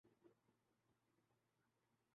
نمائش کے لیے پیش کی گئی۔